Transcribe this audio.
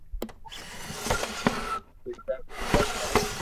پآزا کاڌو تو